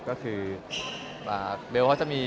ก็คือเบลเขาจะมี